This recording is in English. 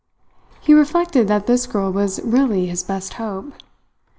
He reflected that this girl was really his best hope.